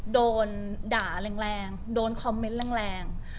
โดนด่าแรงโดนคอมเมนต์แรง